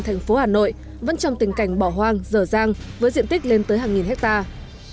thành phố hà nội vẫn trong tình cảnh bỏ hoang dở dang với diện tích lên tới hàng nghìn hectare